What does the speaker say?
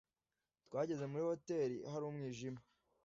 Twageze muri hoteri hari umwijima